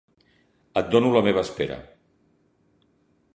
Et dono la meva espera.